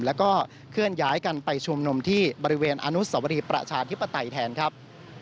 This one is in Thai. แล้วก็เคลื่อนย้ายกันไปชุมนุมที่บริเวณอนุสวรีประชาธิปไตยแทนครับ